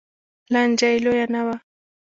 لانجه یې لویه نه وه